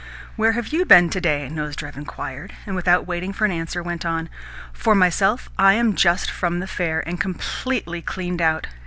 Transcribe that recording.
"Where have you been to day?" Nozdrev inquired, and, without waiting for an answer, went on: "For myself, I am just from the fair, and completely cleaned out.